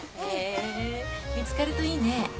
見つかるといいね。